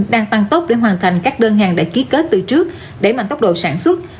đang tăng tốc để hoàn thành các đơn hàng đã ký kết từ trước đẩy mạnh tốc độ sản xuất